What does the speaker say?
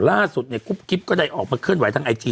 ล่าสุดเนี่ยกุ๊บกิ๊บก็ได้ออกมาเคลื่อนไหวทางไอจี